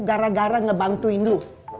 gara gara ngebantuin lu